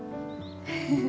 フフフッ。